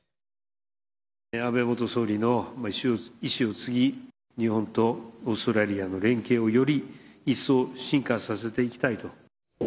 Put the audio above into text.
安倍元総理の遺志を継ぎ、日本とオーストラリアの連携をより一層深化させていきたいと。